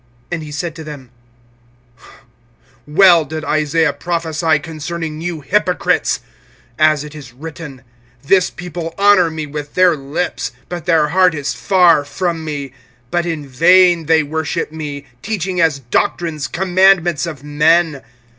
(6)And he said to them: Well did Isaiah prophesy concerning you hypocrites; as it is written: This people honor me with their lips, But their heart is far from me. (7)But in vain they worship me, Teaching as doctrines commandments of men.